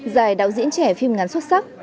giải đạo diễn trẻ phim ngắn xuất sắc